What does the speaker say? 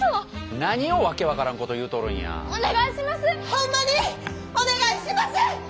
ホンマにお願いします！